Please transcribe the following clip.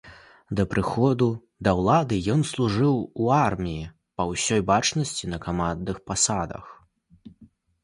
Да прыходу да ўлады ён служыў у арміі, па ўсёй бачнасці, на камандных пасадах.